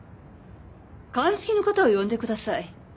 鑑識の方を呼んでください。